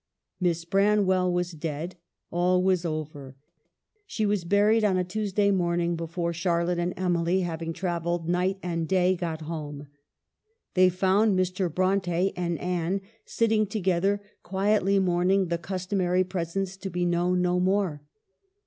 Miss Branwell was dead. All was over : she was buried on a Tuesday morning, before Char lotte and Emily, having travelled night and day, got home. They found Mr. Bronte and Anne sitting together, quietly mourning the customary presence to be known no more.